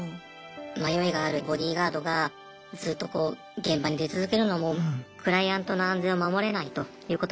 迷いがあるボディーガードがずっとこう現場に出続けるのもクライアントの安全を守れないということにつながります。